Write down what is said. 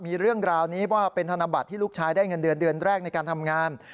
มีเรื่องราวนี้ว่าเป็นธนบัตรที่ลูกชายได้เงินเดือนเดือนแรกในการทำงาน